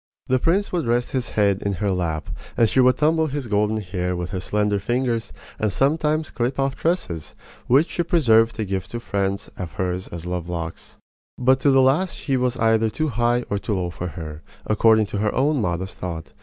The prince would rest his head in her lap, and she would tumble his golden hair with her slender fingers and sometimes clip off tresses which she preserved to give to friends of hers as love locks. But to the last he was either too high or too low for her, according to her own modest thought.